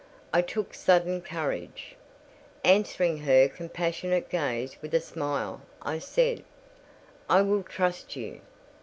I took sudden courage. Answering her compassionate gaze with a smile, I said—"I will trust you.